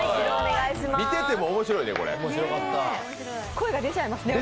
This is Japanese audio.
見てても面白いですね。